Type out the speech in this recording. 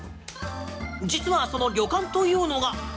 実はその旅館というのが。